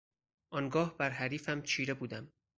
آنگاه بر حریفم چیره بودم.